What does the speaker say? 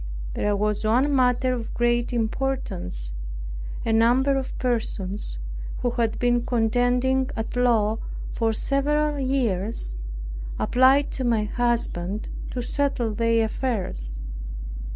There was one matter of great importance. A number of persons, who had been contending at law for several years, applied to my husband to settle their affairs.